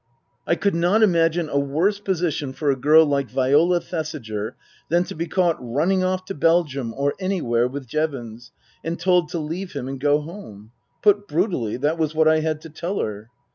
I could not imagine a worse position for a girl like Viola Thesiger than to be caught running off to Belgium, or anywhere, with Jevons, and told to leave him and go home. Put brutally, that was what I had to tell her.